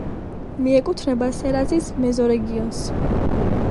მიეკუთვნება სერანის მეზორეგიონს.